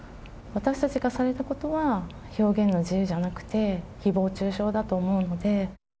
私たちがされたことは、表現の自由じゃなくて、ひぼう中傷だと思うんで。